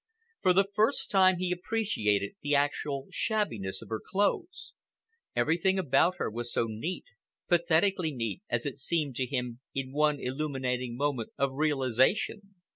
For the first time he appreciated the actual shabbiness of her clothes. Everything about her was so neat—pathetically neat, as it seemed to him in one illuminating moment of realization.